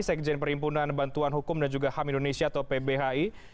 sekjen perhimpunan bantuan hukum dan juga ham indonesia atau pbhi